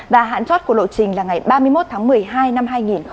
và hạn chót của lộ trình là ngày ba mươi một tháng một mươi hai năm hai nghìn hai mươi